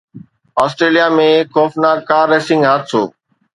Australia ۾ خوفناڪ car racing حادثو